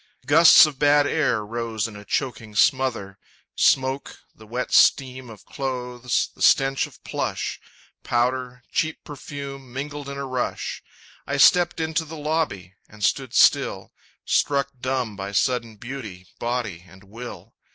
Gusts of bad air rose in a choking smother; Smoke, the wet steam of clothes, the stench of plush, Powder, cheap perfume, mingled in a rush. I stepped into the lobby and stood still Struck dumb by sudden beauty, body and will.